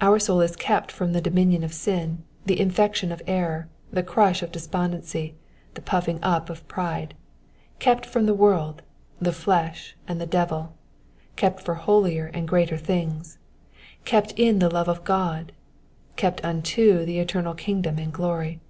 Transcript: Our soul is kept from the do minion of sin, the infection of error, the crush of despondency, the puffing up of pride ; kept from the world, the flesh, and the aevil ; kept for holier and greater things ; kept in the love of God ; kept unto the eternal king , dom and glory.